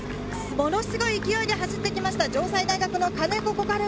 ものすごい勢いで走ってきました城西大学の兼子心晴。